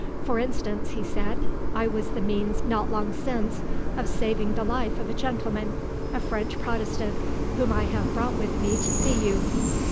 "For instance," he said, "I was the means not long since of saving the life of a gentleman, a French Protestant, whom I have brought with me to see you."